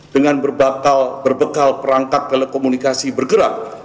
dengan berbekal perangkat telekomunikasi bergerak